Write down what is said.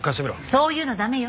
そういうの駄目よ。